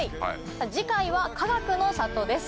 次回はかがくの里です。